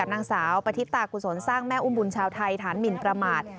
นางสาวปฏิตากุศลสร้างแม่อุ้มบุญชาวไทยฐานหมินประมาท